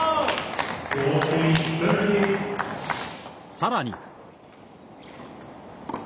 さらに。